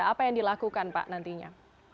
apa yang dilakukan pak nantinya